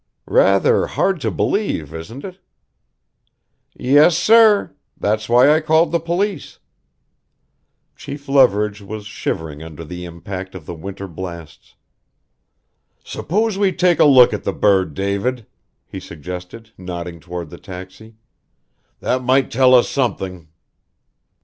"Rather hard to believe, isn't it?" "Yes, sir. That's why I called the police." Chief Leverage was shivering under the impact of the winter blasts. "S'pose we take a look at the bird, David," he suggested, nodding toward the taxi. "That might tell us something."